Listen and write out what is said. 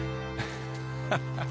ハハハッ。